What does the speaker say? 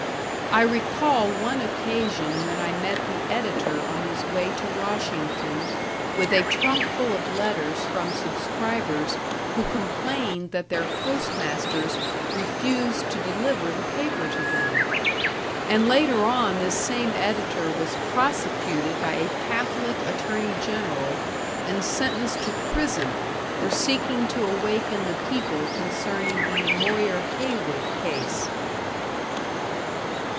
I recall one occasion when I met the editor on his way to Washington with a trunkful of letters from subscribers who complained that their postmasters refused to deliver the paper to them; and later on this same editor was prosecuted by a Catholic Attorney General and sentenced to prison for seeking to awaken the people concerning the Moyer Haywood case.